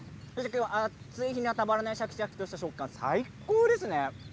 暑い日にはシャキシャキとした食感で最高ですね。